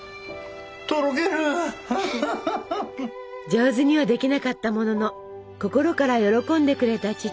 上手にはできなかったものの心から喜んでくれた父。